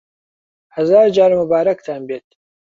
هەزار جار موبارەکتان بێت